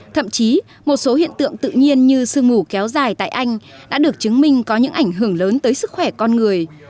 thậm chí một số hiện tượng tự nhiên như sương mù kéo dài tại anh đã được chứng minh có những ảnh hưởng lớn tới sức khỏe con người